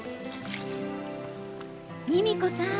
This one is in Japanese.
ミミコさん！